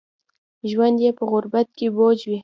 ژوند په غربت کې بوج وي